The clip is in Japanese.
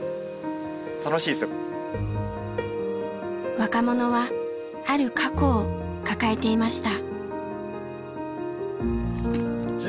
若者はある過去を抱えていました。